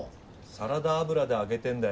サラダ油で揚げてんだよ